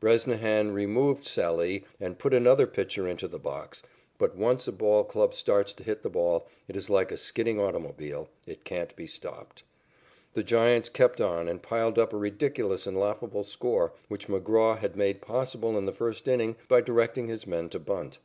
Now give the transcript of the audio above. Bresnahan removed Sallee and put another pitcher into the box, but once a ball club starts to hit the ball, it is like a skidding automobile. It can't be stopped. The Giants kept on and piled up a ridiculous and laughable score, which McGraw had made possible in the first inning by directing his men to bunt.